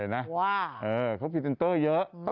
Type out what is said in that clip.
เขาพรีเซนเตอร์เยอะ